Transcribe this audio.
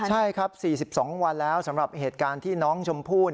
ใช่ครับ๔๒วันแล้วสำหรับเหตุการณ์ที่น้องชมพู่